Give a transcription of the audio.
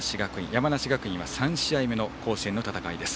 山梨学院は３試合目の甲子園の戦いです。